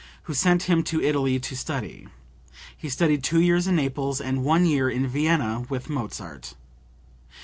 who sent him to Italy to study. He studied two years in Naples and one year in Vienna with Mozart.